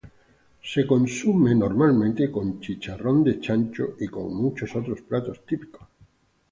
Es consumido con chicharrón de chancho normalmente y con muchos otros platos típicos.